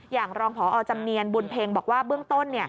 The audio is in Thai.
อย่างรองพอจำเนียนบุญเพ็งบอกว่าเบื้องต้น